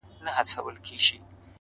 زحمت د باور ثبوت دی!